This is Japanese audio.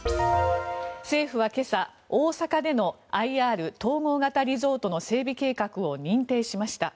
政府は今朝、大阪でのＩＲ・統合型リゾートの整備計画を認定しました。